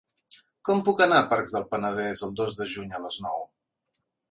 Com puc anar a Pacs del Penedès el dos de juny a les nou?